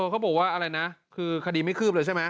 เขาบอกว่าอะไรนะคือคดีไม่คืบเลยใช่ไหม